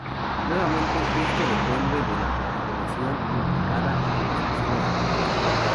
Nuevamente esto depende de la configuración indicada en las opciones de juego.